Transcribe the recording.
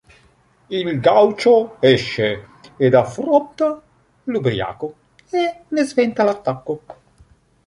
Il gaucho esce ed affronta l’ubriaco e ne sventa l’attacco.